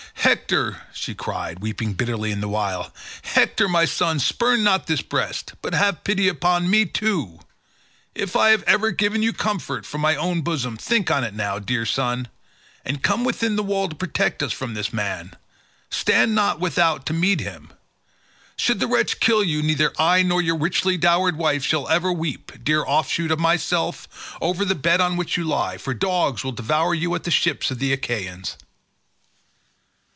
"Hector," she cried, weeping bitterly the while, "Hector, my son, spurn not this breast, but have pity upon me too: if I have ever given you comfort from my own bosom, think on it now, dear son, and come within the wall to protect us from this man; stand not without to meet him. Should the wretch kill you, neither I nor your richly dowered wife shall ever weep, dear offshoot of myself, over the bed on which you lie, for dogs will devour you at the ships of the Achaeans."